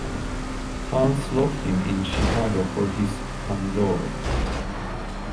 Fans loved him in Chicago for his candour.